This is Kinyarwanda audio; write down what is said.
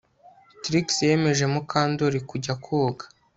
Trix yemeje Mukandoli kujya koga